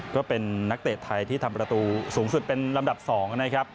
ก็เป็นนักเตะไทยที่ทำประตูสูงสุดเป็นลำดับ๒นะครับ